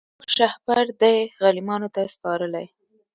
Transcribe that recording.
موږ شهپر دی غلیمانو ته سپارلی